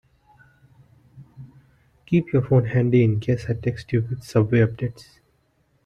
Keep your phone handy in case I text you with subway updates.